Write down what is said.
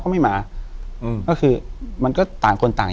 อยู่ที่แม่ศรีวิรัยิลครับ